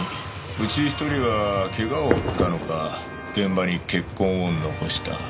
うち一人は怪我を負ったのか現場に血痕を残した。